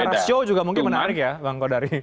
nah show juga mungkin menarik ya bang kodari